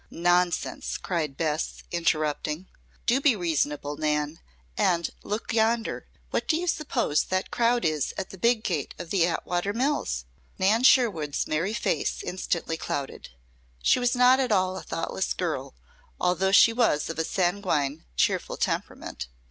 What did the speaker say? "Nonsense!" cried Bess, interrupting. "Do be reasonable, Nan. And look yonder! What do you suppose that crowd is at the big gate of the Atwater Mills?" Nan Sherwood's merry face instantly clouded. She was not at all a thoughtless girl, although she was of a sanguine, cheerful temperament.